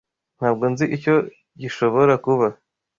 Ntabwo nzi icyo gishobora kuba.